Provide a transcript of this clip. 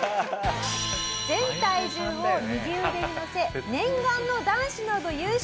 全体重を右腕にのせ念願の男子の部優勝！